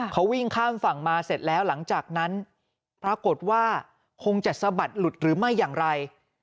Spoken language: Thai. เขาวิ่งข้ามฝั่งมาเสร็จแล้วหลังจากนั้นปรากฏว่าคงจะสะบัดหลุดหรือไม่อย่างไร